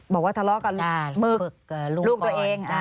บอกว่าทะเลาะกับลูกตัวเอง